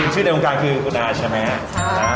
ชื่อในโครงการคือคุณาใช่ไหม